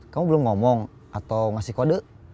kamu belum ngomong atau ngasih kode